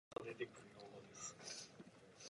Its first bishop was French-born Henry Damian Juncker.